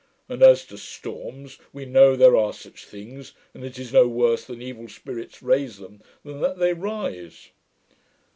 And as to storms, we know there are such things; and it is no worse that evil spirits raise them, than that they rise.'